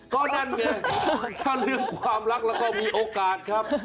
ก็นั่นไงถ้าเรื่องความรักแล้วก็มีโอกาสครับ